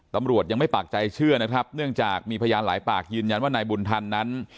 ตำรวจยังไม่ปากใจเชื่อนะครับเนื่องจากมีพยานหลายปากยืนยันว่านายบุญธรรมนั้น